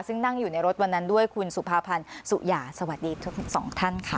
ซึ่งนั่งอยู่ในรถวันนั้นด้วยคุณสุภาพันธ์สุยาสวัสดีทั้งสองท่านค่ะ